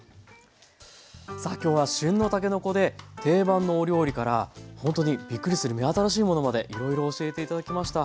さあ今日は旬のたけのこで定番のお料理からほんとにびっくりする目新しいものまでいろいろ教えて頂きました。